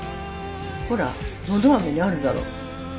ほらのど飴にあるだろ。